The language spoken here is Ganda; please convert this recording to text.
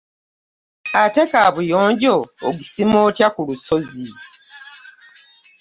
Ate kaabuyonjo ogisima otya ku lusozi ?